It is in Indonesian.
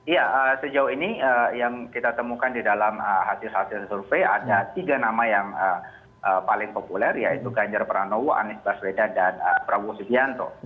ya sejauh ini yang kita temukan di dalam hasil hasil survei ada tiga nama yang paling populer yaitu ganjar pranowo anies baswedan dan prabowo subianto